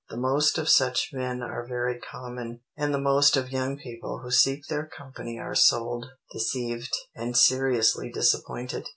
The most of such men are very common, and the most of young people who seek their company are sold, deceived, and seriously disappointed.